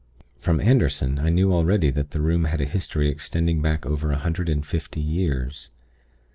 "From Anderson, I knew already that the room had a history extending back over a hundred and fifty years.